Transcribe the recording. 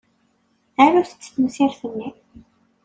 Arut-tt temsirt-nni.